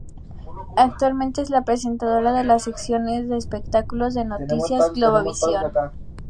Actualmente es la presentadora de la sección de espectáculos de Noticias Globovisión.